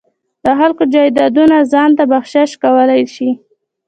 د خلکو جایدادونه ځان ته بخشش کولای شي.